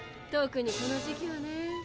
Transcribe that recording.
特にこの時期はね。